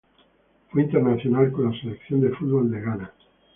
Fue internacional con la selección de fútbol de Ghana.